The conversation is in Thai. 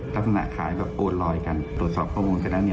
ลักษณะขายแบบโอดลอยกันตรวจสอบขโมยกันแล้ว